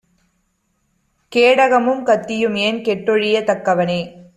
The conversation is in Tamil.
கேடகமும் கத்தியும்ஏன்? கெட்டொழியத் தக்கவனே!